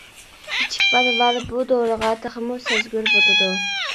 كىچىك بالىلار بۇ دورىغا تېخىمۇ سەزگۈر بولىدۇ.